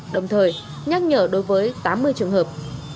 đồng thời nhắc nhở đối với tám mươi trường hợp